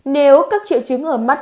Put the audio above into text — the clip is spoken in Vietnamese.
nếu các triệu chứng ở mắt